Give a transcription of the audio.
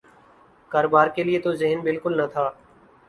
کاروبار کیلئے تو ذہن بالکل نہ تھا۔